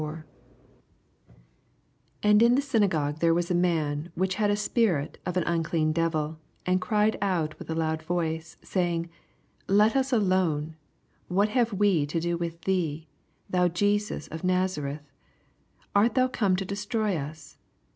88 And in the BvnagOj^ae there was A man, which haa a spirit of an un clean devil, and cried outwiUi a load voice, 84 Saying, Lett« alone ; what have we to do with thee, tlunt Jesns of Nazareth ? art thou come to destroy us